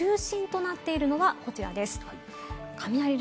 きょう、雨の中心となっているのはこちらです。